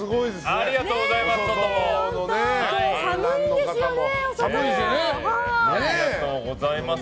ありがとうございます。